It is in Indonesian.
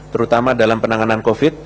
terutama dalam penanganan covid sembilan belas